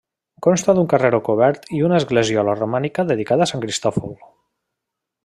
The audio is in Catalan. Consta d'un carreró cobert i una esglesiola romànica dedicada a Sant Cristòfol.